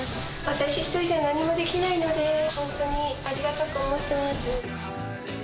私一人じゃ何もできないので、本当にありがたく思ってます。